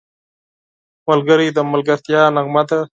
ملګری د ملګرتیا نغمه ده